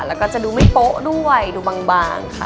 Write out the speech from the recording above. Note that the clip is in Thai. แล้วก็จะดูไม่โป๊ะด้วยดูบางค่ะ